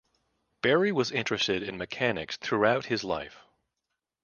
Berry was interested in mechanics throughout his life.